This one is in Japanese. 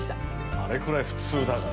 あれくらい普通だから。